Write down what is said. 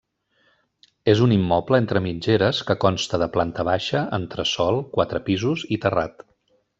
És un immoble entre mitgeres que consta de planta baixa, entresòl, quatre pisos i terrat.